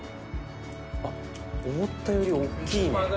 あっ思ったより大きいね。